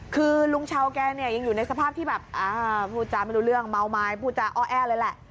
คือลุงชาวแกเนี่ยยังอยู่ในสภาพที่แบบพูดจาไม่รู้เรื่องเมาไม้พูดจาอ้อแอเลยแหละ